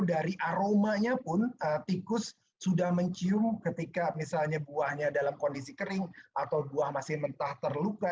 dari aromanya pun tikus sudah mencium ketika misalnya buahnya dalam kondisi kering atau buah masih mentah terluka